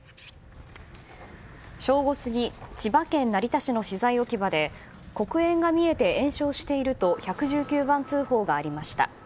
正午過ぎ、千葉県成田市の資材置き場で黒煙が見えて延焼していると１１９番通報がありました。